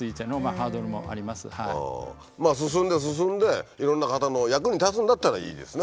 進んで進んでいろんな方の役に立つんだったらいいですね